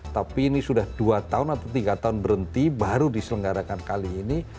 tapi ini sudah dua tahun atau tiga tahun berhenti baru diselenggarakan kali ini